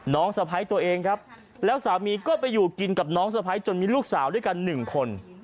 สะพ้ายตัวเองครับแล้วสามีก็ไปอยู่กินกับน้องสะพ้ายจนมีลูกสาวด้วยกันหนึ่งคน